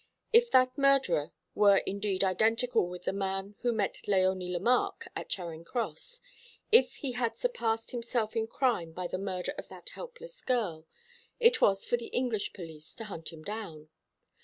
If that murderer were indeed identical with the man who met Léonie Lemarque at Charing Cross, if he had surpassed himself in crime by the murder of that helpless girl, it was for the English police, to hunt him down.